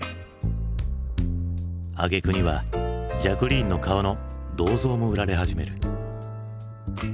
あげくにはジャクリーンの顔の銅像も売られ始める。